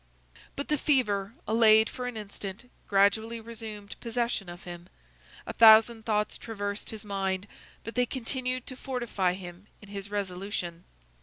But the fever, allayed for an instant, gradually resumed possession of him. A thousand thoughts traversed his mind, but they continued to fortify him in his resolution.